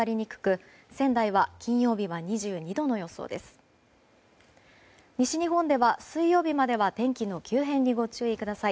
西日本では水曜日までは天気の急変にご注意ください。